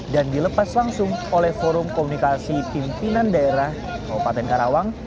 dan dilepas langsung oleh forum komunikasi pimpinan daerah kabupaten karawang